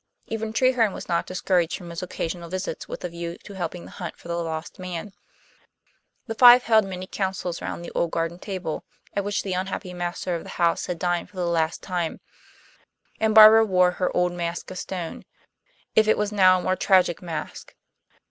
Even Treherne was not discouraged from his occasional visits with a view to helping the hunt for the lost man. The five held many counsels round the old garden table, at which the unhappy master of the house had dined for the last time; and Barbara wore her old mask of stone, if it was now a more tragic mask.